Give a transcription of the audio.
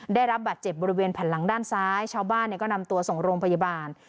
ได้รับบาดเจ็บบริเวณแผ่นหลังด้านซ้ายชาวบ้านก็นำตัวส่งโรงพยาบาล